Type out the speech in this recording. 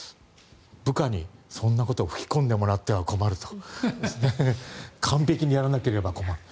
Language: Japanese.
部下にそんなことを吹き込んでもらっては困るぞ完璧にやらなければ困る。